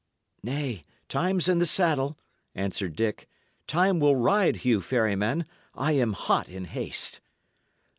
"Nay; time's in the saddle," answered Dick. "Time will ride, Hugh Ferryman. I am hot in haste."